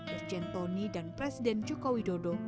irjen tony dan presiden joko widodo